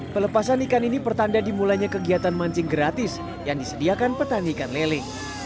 pelepasan ikan ini pertanda dimulainya kegiatan mancing gratis yang disediakan petani ikan lele